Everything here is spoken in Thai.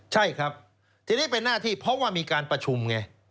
ใช่ครับทีนี้เป็นหน้าที่เพราะว่ามีการประชุมไง